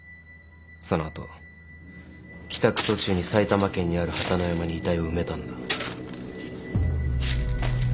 その後帰宅途中に埼玉県にある榛野山に遺体を埋めたんだ。